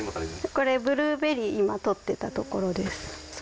これ、ブルーベリー、今、採ってたところです。